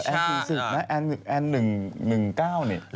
แอน๓๙หรอใช่เหรอแอน๔๐นะแอน๑๙เนี่ย